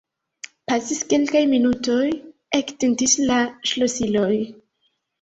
Pasis kelkaj minutoj; ektintis la ŝlosiloj.